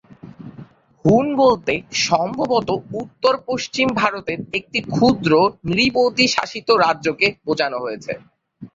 হুন বলতে সম্ভবত উত্তর-পশ্চিম ভারতের একটি ক্ষুদ্র নৃপতি-শাসিত রাজ্যকে বোঝানো হয়েছে।